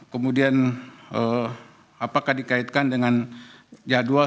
kemudian apakah dikaitkan dengan jadwal